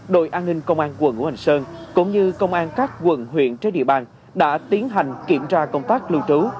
đội an ninh công an quận ngũ hành sơn cũng như công an các quận huyện trên địa bàn đã tiến hành kiểm tra công tác lưu trú